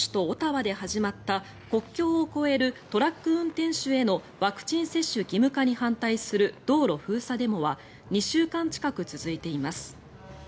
オタワで始まった国境を越えるトラック運転手へのワクチン接種義務化に反対する道路封鎖デモは２週間近く続いています。